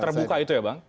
surat terbuka itu ya bang